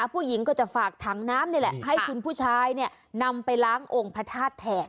ผู้หญิงก็จะฝากถังน้ำนี่แหละให้คุณผู้ชายเนี่ยนำไปล้างองค์พระธาตุแทน